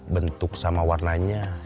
bentuk sama warnanya